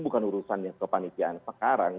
bukan urusan yang kepanikian sekarang